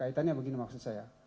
kaitannya begini maksud saya